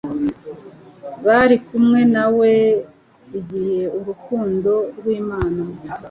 bari kumwe na we igihe urukundo rw'Imana